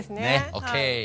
ＯＫ！